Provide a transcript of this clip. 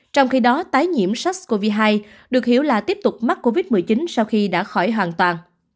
trong khi đó tái nhiễm sars cov hai được hiểu là tiếp tục mắc covid một mươi chín sau khi đã khỏi hoàn toàn